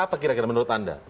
apa kira kira menurut anda